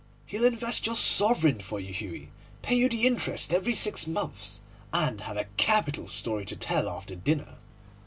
He'll invest your sovereign for you, Hughie, pay you the interest every six months, and have a capital story to tell after dinner.